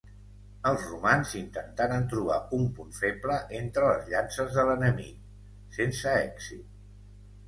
Els romans intentaren trobar un punt feble entre les llances de l'enemic, sense èxit.